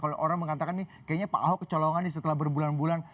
kalau orang mengatakan nih kayaknya pak ahok kecolongan nih setelah berbulan bulan